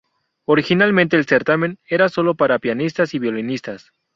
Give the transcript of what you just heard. Originalmente el certamen era sólo para pianistas y violinistas.